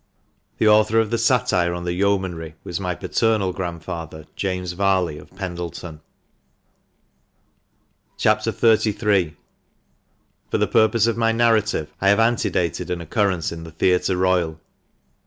The author of the satire on the yeomanry was my paternal grandfather, James Varley, of Pendleton. CHAP. XXXIII. — For the purpose of my narrative, I have antedated an occurrence in the Theatre Royal.